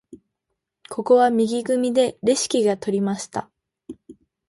ここは右組でレシキが取りました。